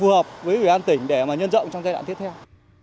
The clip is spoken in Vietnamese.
hiệu quả cao